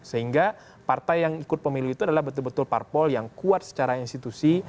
sehingga partai yang ikut pemilu itu adalah betul betul parpol yang kuat secara institusi